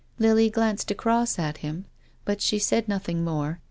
Lily glanced across at him. liut she said nothing more.